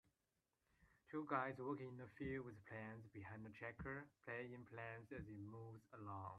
Two guys working in a field with plants behind a tractor playing plants as it moves along.